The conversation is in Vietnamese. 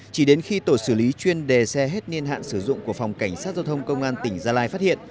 chỉ đến khi tổ xử lý chuyên đề xe hết niên hạn sử dụng của phòng cảnh sát giao thông công an tỉnh gia lai phát hiện